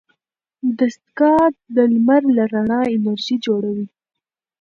دستګاه د لمر له رڼا انرژي جوړوي.